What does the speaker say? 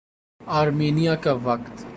Armenia کا وقت